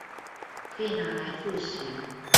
可以拿來複習